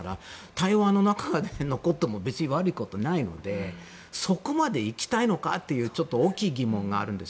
台湾の中で残っても別に悪いことないのでそこまで行きたいのかという大きい疑問があるんです。